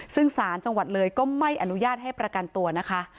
ซึ่งสารจังหวัดเลยก็ไม่อนุญาตให้ประกันตัวนะคะ